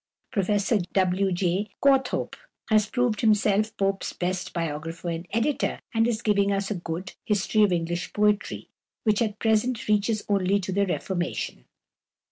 Professor W. J. Courthope has proved himself Pope's best biographer and editor, and is giving us a good "History of English Poetry," which at present reaches only to the Reformation.